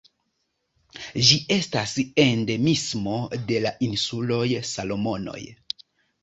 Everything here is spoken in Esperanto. Ĝi estas endemismo de la insuloj Salomonoj.